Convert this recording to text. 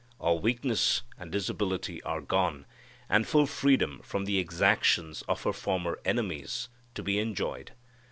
All weakness and disability are gone, and full freedom from the exactions of her former enemies to be enjoyed.